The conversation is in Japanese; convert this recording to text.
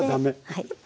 はい。